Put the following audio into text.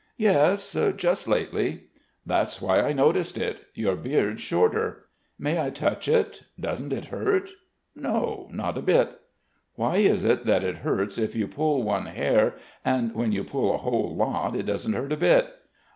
"Yes, just lately." "That's why I noticed it. Your beard's shorter. May I touch it ... doesn't it hurt?" "No, not a bit." "Why is it that it hurts if you pull one hair, and when you pull a whole lot, it doesn't hurt a bit?